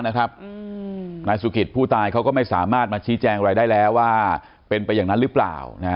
นายสุกิตผู้ตายเขาก็ไม่สามารถมาชี้แจงอะไรได้แล้วว่าเป็นไปอย่างนั้นหรือเปล่า